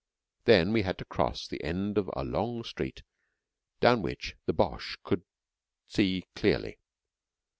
Then we had to cross the end of a long street down which the Boche could see clearly.